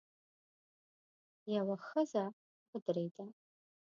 يوه ښځه ودرېده.